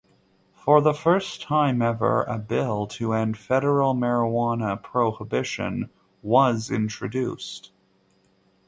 For the first time ever, a bill to end federal marijuana prohibition was introduced.